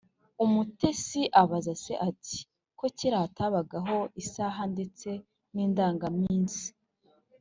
umutesi abaza se ati: “ko kera hatabagaho isaha ndetse n’indangaminsi